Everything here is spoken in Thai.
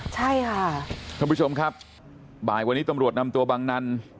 ใช่ค่ะท่านผู้ชมครับบ่ายวันนี้ตำรวจนำตัวบังนั้น